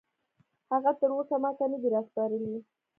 هغه تراوسه ماته نه دي راسپارلي.